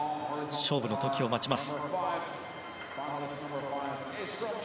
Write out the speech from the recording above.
勝負の時を待ちます。